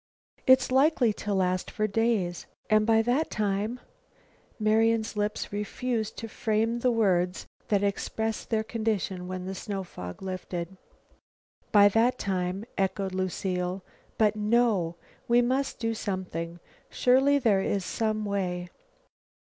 "It's likely to last for days, and by that time " Marian's lips refused to frame the words that expressed their condition when the snow fog lifted. "By that time " echoed Lucile. "But no, we must do something. Surely, there is some way!"